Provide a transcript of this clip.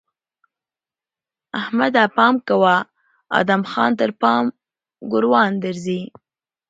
احمده! پام کوه؛ ادم خان تر پام ګوروان درځي!